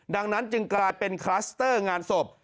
ดังนั้นจึงกลายเป็นคลัสเตอร์งานศพ